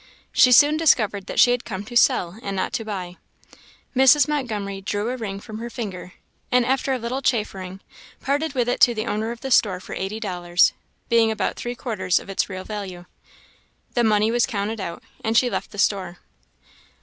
She soon discovered that she had come to sell, and not to buy. Mrs. Montgomery drew a ring from her finger, and, after a little chaffering, parted with it to the owner of the store for eighty dollars, being about three quarters of its real value. The money was counted out, and she left the store.